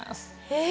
え！